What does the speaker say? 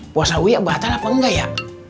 puasa wia batal apa enggak ya